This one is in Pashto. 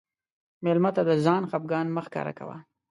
مېلمه ته د ځان خفګان مه ښکاروه.